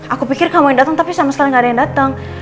aku pikir kamu yang datang tapi sama sekali gak ada yang datang